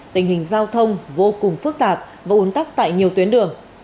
tình hình giao thông vô cùng phức tạp và ủn tắc tại nhiều tuyến đường